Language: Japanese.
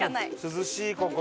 涼しいここ。